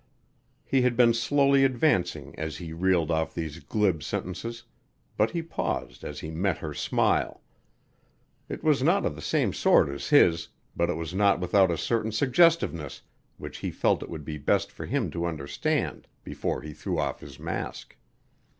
He had been slowly advancing as he reeled off these glib sentences, but he paused as he met her smile. It was not of the same sort as his, but it was not without a certain suggestiveness which he felt it would be best for him to understand before he threw off his mask.